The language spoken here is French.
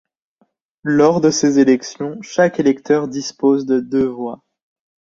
Lors de ces élections, chaque électeur dispose de deux voix.